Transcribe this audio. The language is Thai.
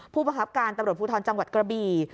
ผู้ประคับการตำรวจภูทรจังหวัดกระบี่